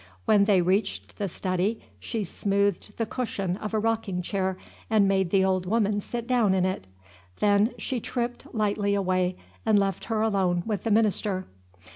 When they reached the study, she smoothed the cushion of a rocking chair, and made the old woman sit down in it. Then she tripped lightly away, and left her alone with the minister.